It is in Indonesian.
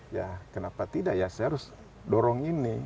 ya kenapa tidak ya saya harus dorong ini